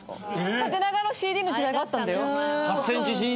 縦長のＣＤの時代があったんだよ。